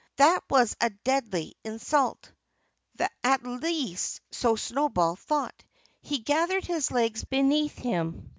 That was a deadly insult. At least so Snowball thought. He gathered his legs beneath him.